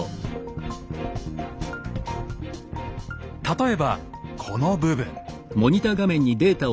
例えばこの部分。